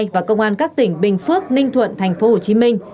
và công an các tỉnh bình phước ninh thuận tp hcm